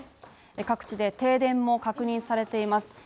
各地で停電も確認されています